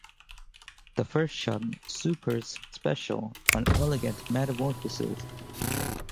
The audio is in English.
The first short, SuperS Special: An Elegant Metamorphosis?